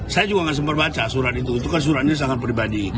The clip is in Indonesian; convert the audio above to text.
saya juga nggak sempat baca surat itu itu kan suratnya sangat pribadi